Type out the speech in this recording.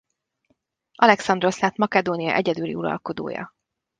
Alexandrosz lett Makedónia egyedüli uralkodója.